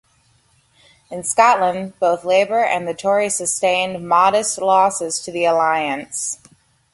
In Scotland, both Labour and the Tories sustained modest losses to the Alliance.